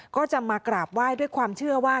ก็จะมากราบไหว้ด้วยความเชื่อว่า